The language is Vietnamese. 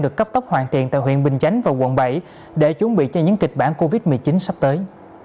được cấp tốc hoàn thiện tại huyện bình chánh và quận bảy để chuẩn bị cho những kịch bản covid một mươi chín sắp tới